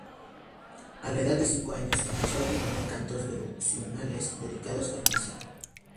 A la edad de cinco años, empezó a componer cantos devocionales dedicados a Krishna.